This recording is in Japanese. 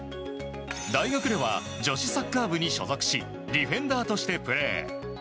大学では女子サッカー部に所属しディフェンダーとしてプレー。